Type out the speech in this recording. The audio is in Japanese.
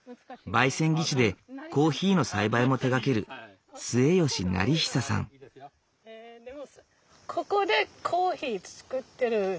焙煎技師でコーヒーの栽培も手がけるここでコーヒー作ってる本当？